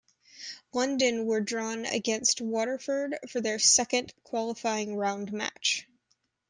London were drawn against Waterford for their second qualifying round match.